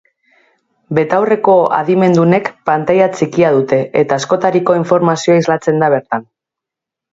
Betaurreko adimendunek pantaila txikia dute, eta askotariko informazioa islatzen da bertan.